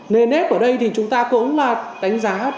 nền ép của đây thì chúng ta cũng là đánh giá